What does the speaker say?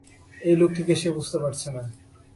এই লোকটিকে সে বুঝতে পারছে না।